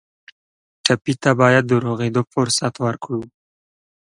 ټپي ته باید د روغېدو فرصت ورکړو.